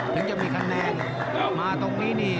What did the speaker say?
ถึงจะมีแบบแรงมาตรงนี้